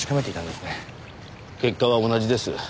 結果は同じです。